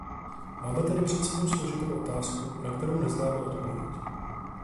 Máme tedy před sebou složitou otázku, na kterou neznáme odpověď.